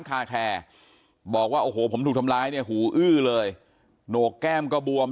คาแคร์บอกว่าโอ้โหผมถูกทำร้ายเนี่ยหูอื้อเลยโหนกแก้มก็บวม